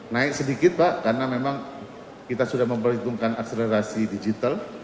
naik sedikit pak karena memang kita sudah memperhitungkan akselerasi digital